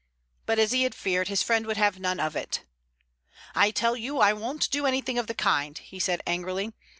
But as he had feared, his friend would have none of it. "I tell you I won't do anything of the kind," he said angrily.